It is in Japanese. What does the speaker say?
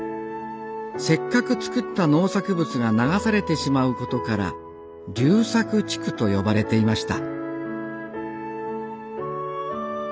せっかく作った農作物が流されてしまう事から流作地区と呼ばれていました